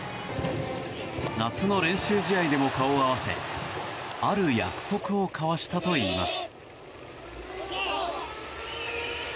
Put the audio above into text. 夏の練習試合でも顔を合わせある約束を交わしたといいます。